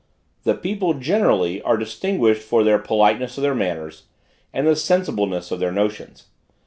The people generally are distinguished for the politeness of their manners, and the sensibleness of their notions.